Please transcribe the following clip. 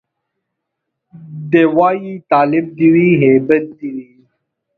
دی وايي تالب دي وي هيبت دي وي